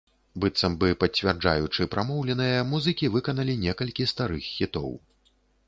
Быццам бы пацвярджаючы прамоўленае, музыкі выканалі некалькі старых хітоў.